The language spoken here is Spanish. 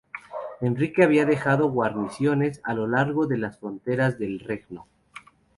Enrique había dejado guarniciones a lo largo de las fronteras del "Regno".